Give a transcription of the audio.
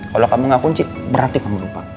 kalau kamu gak kunci berarti kamu lupa